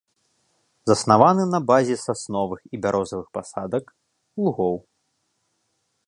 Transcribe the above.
Заснаваны на базе сасновых і бярозавых пасадак, лугоў.